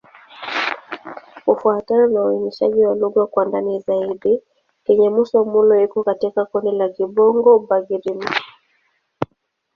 Kufuatana na uainishaji wa lugha kwa ndani zaidi, Kinyamusa-Molo iko katika kundi la Kibongo-Bagirmi.